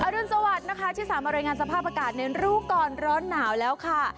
รุนสวัสดิ์นะคะที่สามารถรายงานสภาพอากาศในรู้ก่อนร้อนหนาวแล้วค่ะ